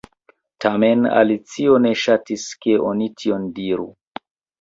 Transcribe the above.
Tamen Alicio ne ŝatis ke oni tion diru.